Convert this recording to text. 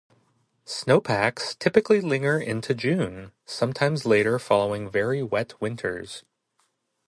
Snowpacks typically linger into June, sometimes later following very wet winters.